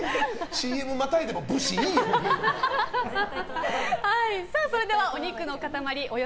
ＣＭまたいでも武士いいよ。